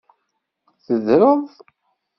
Teddreḍ?